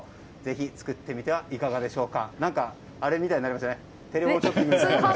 ぜひ作ってみてはいかがでしょうか。